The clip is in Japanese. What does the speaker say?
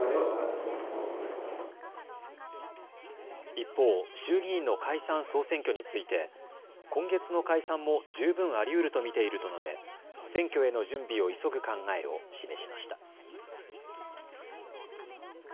一方、衆議院の解散・総選挙について今月の解散も十分ありうると見ていると述べ選挙への準備を急ぐ考えを示しました。